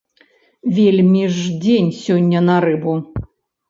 Вельмі ж дзень сёння на рыбу.